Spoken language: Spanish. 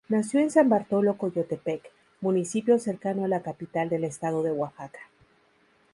Nació en San Bartolo Coyotepec, municipio cercano a la capital del estado de Oaxaca.